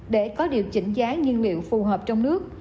để có điều chỉnh giá nhiên liệu phù hợp trong nước